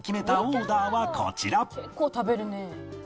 「結構食べるね」